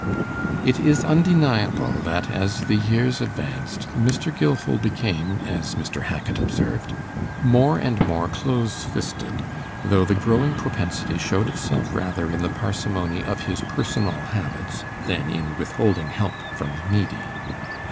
It is undeniable that, as the years advanced, Mr. Gilfil became, as Mr. Hackit observed, more and more 'close fisted', though the growing propensity showed itself rather in the parsimony of his personal habits, than in withholding help from the needy.